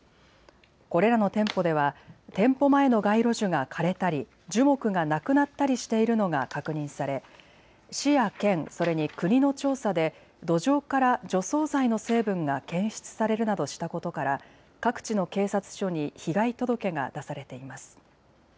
これらの店舗では店舗前の街路樹が枯れたり樹木がなくなったりしているのが確認され市や県、それに国の調査で土壌から除草剤の成分が検出されるなどしたことから各地の警察署に被害届が出されています。